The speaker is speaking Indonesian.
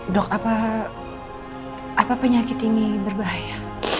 dok apa penyakit ini berbahaya